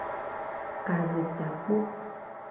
Ka ve takpo.